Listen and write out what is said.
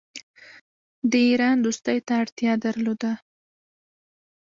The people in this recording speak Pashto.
د ایران دوستی ته اړتیا درلوده.